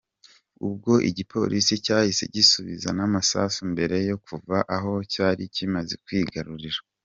Ubwo igipolisi cyahise gisubiza n’amasasu mbere yo kuva aho cyari kimaze kwigarurira.